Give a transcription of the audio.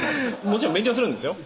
もちろん勉強するんですよ